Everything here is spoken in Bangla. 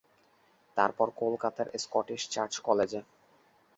তারপর কলকাতার স্কটিশ চার্চ কলেজে।